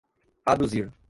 aduzir